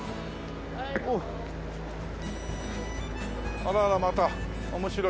あららまた面白い。